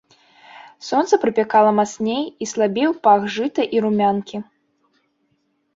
Сонца прыпякала мацней, і слабеў пах жыта і румянкі.